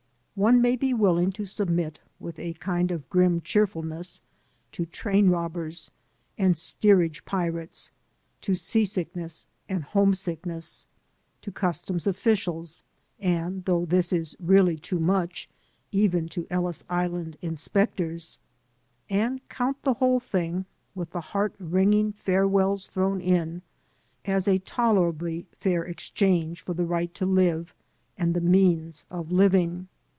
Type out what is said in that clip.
One may be willing to submit, with a kind of grim cheerfulness, to train robbers and steerage pirates, to seasickness and homesickness, to customs o£Scials and — ^though this is really too much — even to Ellis Island inspectors; and count the whole thing — ^with the heart wringing fare wells thrown in — ^as a tolerably fair exchange for the right to live and the means of living.